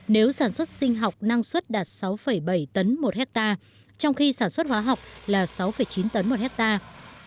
nếu sản xuất sinh học năng suất đạt sáu bảy tấn một hectare trong khi sản xuất hóa học là sáu chín tấn một hectare